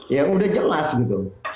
ya sudah jelas gitu